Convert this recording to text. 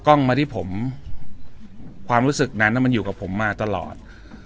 กล้องมาที่ผมความรู้สึกนั้นมันอยู่กับผมมาตลอด